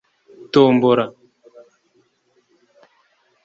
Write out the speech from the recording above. tombola